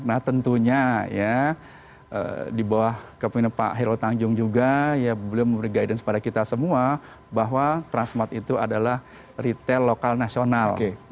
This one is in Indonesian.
nah tentunya ya di bawah kepengenapan pak helo tangjung juga ya belum memberi guidance kepada kita semua bahwa transmart itu adalah retail lokal nasional